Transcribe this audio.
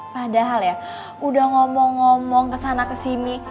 padahal ya udah ngomong ngomong kesana kesini